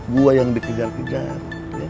gue yang dikejar kejar